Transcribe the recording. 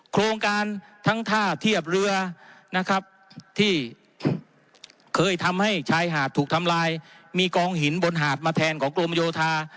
โครงการทั้งท่าเทียบเรือนะครับที่เคยทำให้ชายหาดถูกทำลายมีกองหินบนหาดมาแทนของกรมโยธา